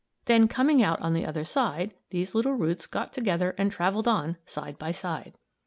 Then, coming out on the other side, these little roots got together and travelled on, side by side!